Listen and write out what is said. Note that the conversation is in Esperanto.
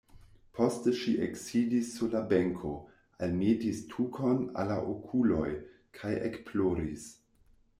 Poste ŝi eksidis sur la benko, almetis tukon al la okuloj kaj ekploris.